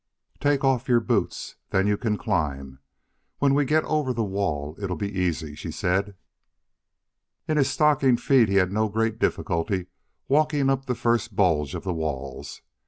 "Take off your boots. Then you can climb. When we get over the wall it'll be easy," she said. In his stocking feet he had no great difficulty walking up the first bulge of the walls.